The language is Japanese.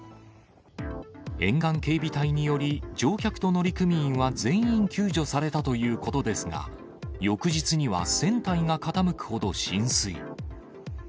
沿岸警備隊により、乗客と乗組員は全員救助されたということですが、翌日には船体が傾くほど浸水。